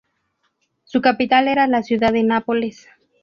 Su capital era la ciudad de Nápoles.